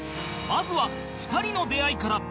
まずは２人の出会いから